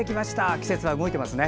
季節が動いていますね。